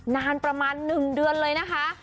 นานประมาณ๑เดือนเลยนะคะ